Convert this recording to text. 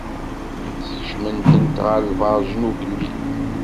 Skecmen-tent ɣer lbeṛǧ n ugellid.